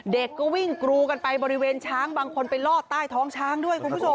เด็กก็วิ่งกรูกันไปบริเวณช้างบางคนไปลอดใต้ท้องช้างด้วยคุณผู้ชม